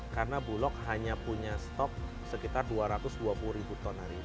karena bulog hanya punya stok sekitar dua ratus dua puluh ribu ton hari ini